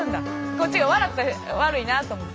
こっちが笑ったら悪いなあと思って。